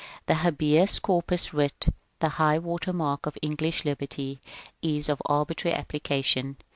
The habeas corpus writ —" the high water mark of Eng lish liberty "— is of arbitrary application.